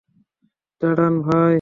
দাঁড়ান, ভাই।